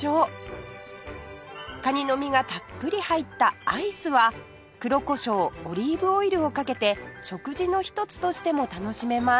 カニの身がたっぷり入ったアイスは黒コショウオリーブオイルをかけて食事の一つとしても楽しめます